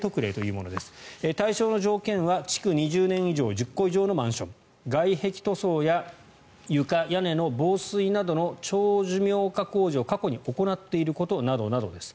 対象の条件は築２０年以上１０戸以上のマンション外壁塗装や床、屋根の防水などの長寿命化工事を過去に行っていることなどなどです。